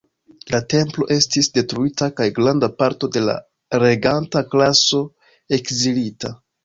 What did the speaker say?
La templo estis detruita kaj granda parto de la reganta klaso ekzilita.